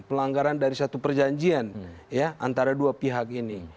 pelanggaran dari satu perjanjian antara dua pihak ini